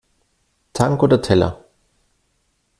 Tank oder Teller?